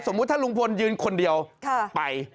สมมุติท่านตกลงเรือนยืนคนเดียวไป